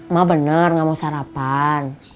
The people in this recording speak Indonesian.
mah bener gak mau sarapan